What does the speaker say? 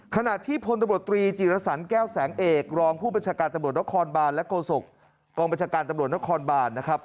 ขณะที่พลตำรวจตรีจีรสันแก้วแสงเอกรองผู้บัญชาการตำรวจนครบานและโฆษกกองบัญชาการตำรวจนครบานนะครับ